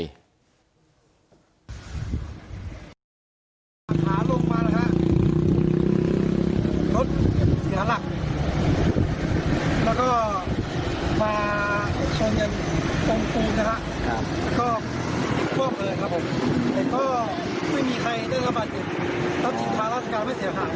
รถกลางไม่เสียหลักเลยครับ